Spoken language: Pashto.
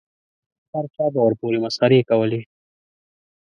هر چا به ورپورې مسخرې کولې.